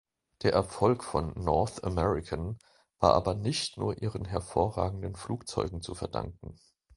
Der Erfolg von North American war aber nicht nur ihren hervorragenden Flugzeugen zu verdanken.